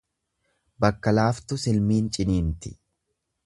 Bakka laaftu silmiin ciniinti.